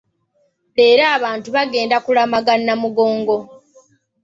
Leero abantu abagenda kulamaga Namugongo.